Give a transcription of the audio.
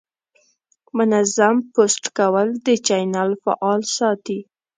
منظم پوسټ کول د چینل فعال ساتي.